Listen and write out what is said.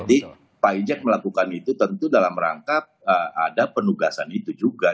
jadi pak ijek melakukan itu tentu dalam rangka ada penugasan itu juga